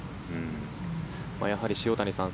やはり塩谷さん